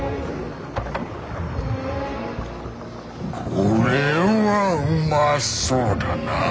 これはうまそうだなあ。